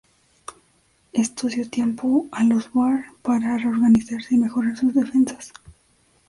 Esto dio tiempo a los bóer para reorganizarse y mejorar sus defensas.